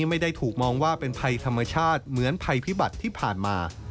ไม่ได้ถูกมองว่าเป็นภัยธรรมชาติเหมือนภัยพิบัติที่ผ่านมา